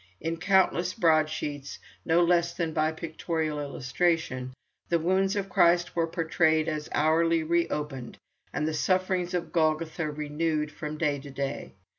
In countless broadsheets, no less than by pictorial illustration, the wounds of Christ were portrayed as hourly re opened, and the sufferings of Golgotha renewed from day to day.